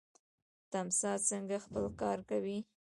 تمساح څنګه خپل ښکار نیسي؟